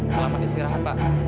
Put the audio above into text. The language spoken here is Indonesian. selamat istirahat pak